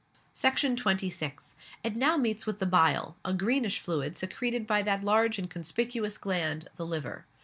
Section 26. It meets now with the bile, a greenish fluid secreted by that large and conspicuous gland the liver.